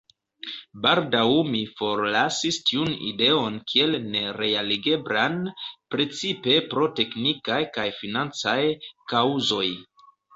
Baldaŭ mi forlasis tiun ideon kiel nerealigeblan, precipe pro teknikaj kaj financaj kaŭzoj.